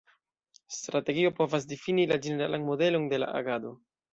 Strategio povas difini la ĝeneralan modelon de la agado.